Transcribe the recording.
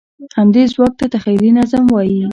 همدې ځواک ته تخیلي نظم وایي.